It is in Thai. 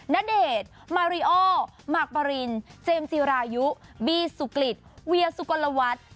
ณเดชมาริโอมากปะรินเจมส์จีรายุบี้สุกฤทธิ์เวียสุโกลวัสด์